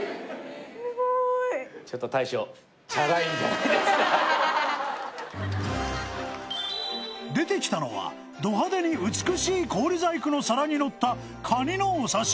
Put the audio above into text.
すごいちょっと大将出てきたのはド派手に美しい氷細工の皿にのった